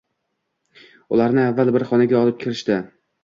Ularni avval bir xonaga olib kirishdi